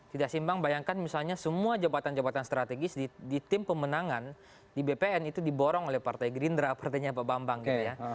tidak seimbang bayangkan misalnya semua jabatan jabatan strategis di tim pemenangan di bpn itu diborong oleh partai gerindra partainya pak bambang gitu ya